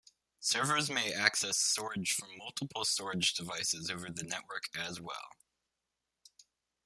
Servers may access storage from multiple storage devices over the network as well.